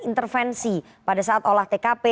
intervensi pada saat olah tkp